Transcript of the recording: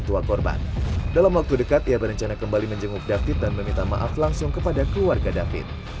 semoga adinda david segera pulih lah